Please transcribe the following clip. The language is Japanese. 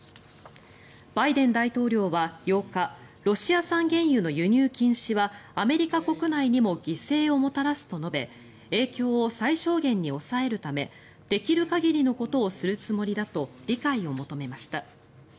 バイデン大統領は８日ロシア産原油の輸入禁止はアメリカ国内にも犠牲をもたらすと述べ影響を最小限に抑えるためできる限りのことをするつもりだと理解を求めました。